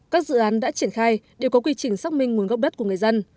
các dự án đã triển khai đều có quy trình xác minh nguồn gốc đất của người dân